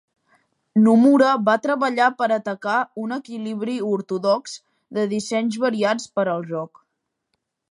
Nomura va treballar per atacar un equilibri ortodox de dissenys variats per al joc.